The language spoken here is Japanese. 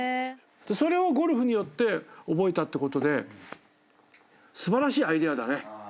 それをゴルフによって覚えたってことで素晴らしいアイデアだね。